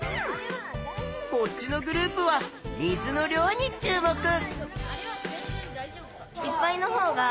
こっちのグループは水の量に注目！